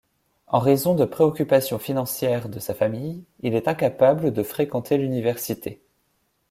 En raison de préoccupations financières de sa famille, il est incapable de fréquenter l'université.